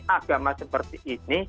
agama seperti ini